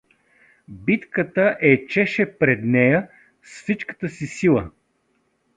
Битката ечеше пред нея с всичката си сила.